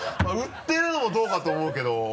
まぁ売ってるのもどうかと思うけど。